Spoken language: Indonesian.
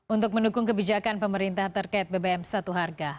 untuk mendukung kebijakan pemerintah terkait bbm satu harga